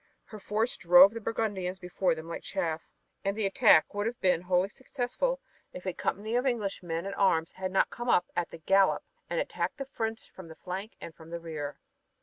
Her force drove the Burgundians before them like chaff, and the attack would have been wholly successful if a company of English men at arms had not come up at the gallop and attacked the French from the flank and from the rear.